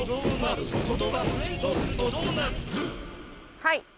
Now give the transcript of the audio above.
はい。